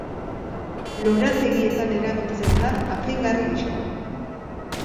Lorategietan erabiltzen da, apaingarri gisa.